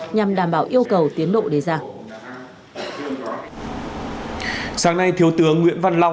nhằm đảm bảo yêu cầu tiến độ đề ra